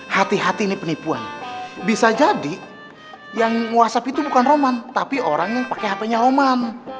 hati hati nih penipuan bisa jadi yang whatsapp itu bukan roman tapi orang yang pake hpnya roman